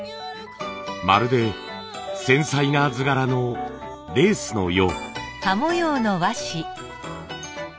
まるで繊細な図柄のレースのよう。